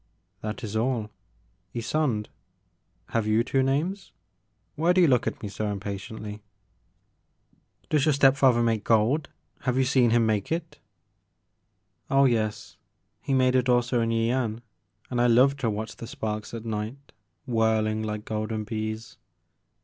" That is all, Ysonde. Have you two names ? Why do you look at me so impatiently ?"Does your step father make gold ? Have you seen him make it ?*' The Maker of Moons. 5 1 Oh yes. He made it also in Yian and I loved to watch the sparks at night whirling like golden bees.